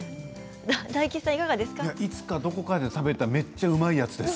いつかどこかで食べためっちゃうまいやつです。